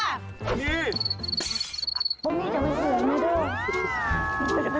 อะไรติ๊มล่างของเขาสวยเลยค่ะ